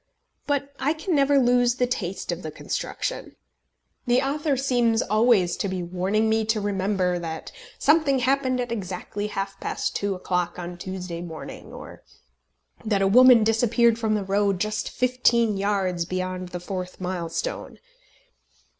But I can never lose the taste of the construction. The author seems always to be warning me to remember that something happened at exactly half past two o'clock on Tuesday morning; or that a woman disappeared from the road just fifteen yards beyond the fourth mile stone.